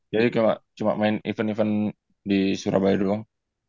jadi cuma main event event di surabaya doang